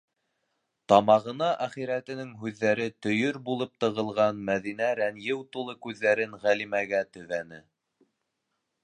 - Тамағына әхирәтенең һүҙҙәре төйөр булып тығылған Мәҙинә рәнйеү тулы күҙҙәрен Ғәлимәгә төбәне.